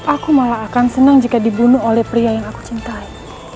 aku malah akan senang jika dibunuh oleh pria yang aku cintai